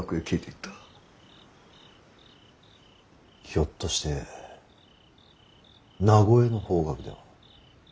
ひょっとして名越の方角では。